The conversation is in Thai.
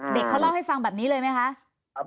เขาเล่าให้ฟังแบบนี้เลยไหมคะ